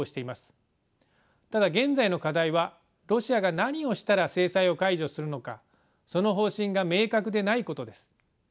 ただ現在の課題はロシアが何をしたら制裁を解除するのかその方針が明確でないことです。